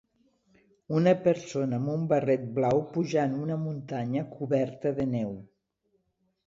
Una persona amb un barret blau pujant una muntanya coberta de neu.